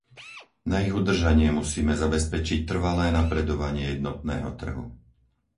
Na ich udržanie musíme zabezpečiť trvalé napredovanie jednotného trhu.